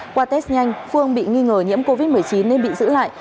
qua test nhanh phương bị nghi ngờ nhiễm covid một mươi chín nên bị giữ lại